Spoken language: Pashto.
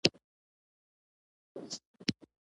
د خور جمع خویندې دي.